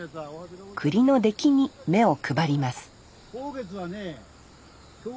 栗の出来に目を配ります